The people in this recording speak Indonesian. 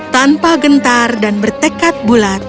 tanpa gentar dan bertekad bulat